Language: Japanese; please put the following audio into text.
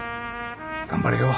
頑張れよ。